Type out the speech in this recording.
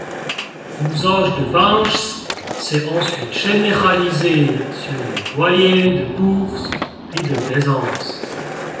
L'usage de winchs s'est ensuite généralisé sur les voiliers de course puis de plaisance.